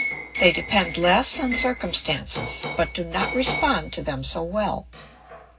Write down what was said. They depend less on circumstances, but do not respond to them so well.